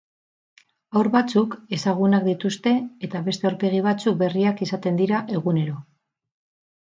Haur batzuk ezagunak dituzte eta beste aurpegi batzuk berriak izaten dira egunero.